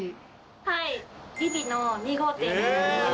はい。